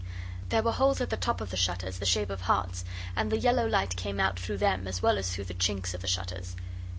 There were holes at the top of the shutters the shape of hearts, and the yellow light came out through them as well as through the chinks of the shutters.